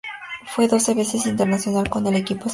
Fue doce veces internacional con el equipo español.